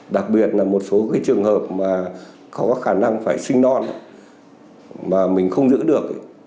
đặc biệt là một số trường hợp mà có khả năng phải sinh non mà mình không giữ được